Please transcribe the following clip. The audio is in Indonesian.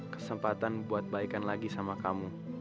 kesempatan buat baikan lagi sama kamu